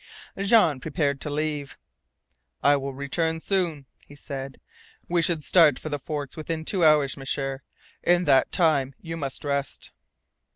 Jean prepared to leave. "I will return soon," he said. "We should start for the Forks within two hours, M'sieur. In that time you must rest."